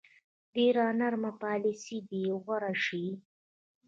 ډېره نرمه پالیسي دې غوره شي.